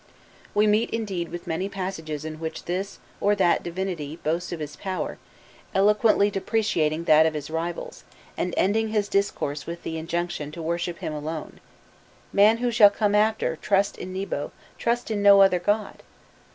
We meet indeed with many passages in which this or that divinity boasts of his power, eloquently depreciating that of his rivals, and ending his discourse with the injunction to worship him alone: "Man who shall come after, trust in Nebo, trust in no other god!"